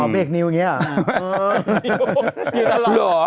อ๋อเบรกนิ้วอย่างนี้หรอ